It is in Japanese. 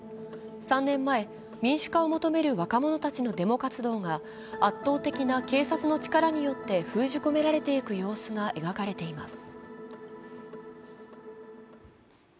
３年前、民主化を求める若者たちのデモ活動が圧倒的な警察の力によって封じ込められていく様子が描かれています。